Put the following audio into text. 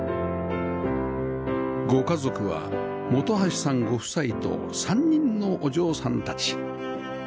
ご家族は本橋さんご夫妻と３人のお嬢さんたち